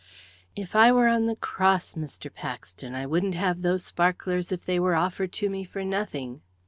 If I were on the cross, Mr. Paxton, I wouldn't have those sparklers if they were offered me for nothing.